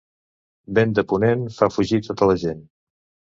Vent de ponent fa fugir tota la gent.